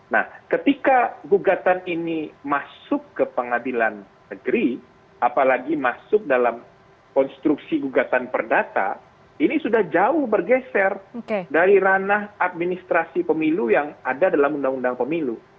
nah ketika gugatan ini masuk ke pengadilan negeri apalagi masuk dalam konstruksi gugatan perdata ini sudah jauh bergeser dari ranah administrasi pemilu yang ada dalam undang undang pemilu